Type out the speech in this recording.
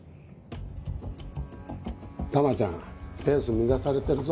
タマちゃんペース乱されてるぞ。